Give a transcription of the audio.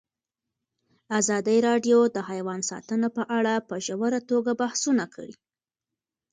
ازادي راډیو د حیوان ساتنه په اړه په ژوره توګه بحثونه کړي.